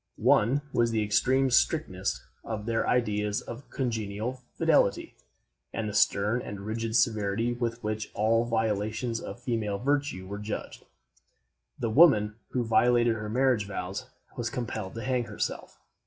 One was the extreme strictness of their ideas of conjugal fidelity, and the stern and rigid severity with which all violations of female virtue were judged. The woman who violated her marriage vows was compelled to hang herself.